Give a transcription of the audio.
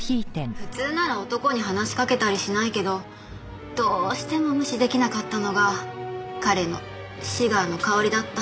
普通なら男に話しかけたりしないけどどうしても無視出来なかったのが彼のシガーの香りだった。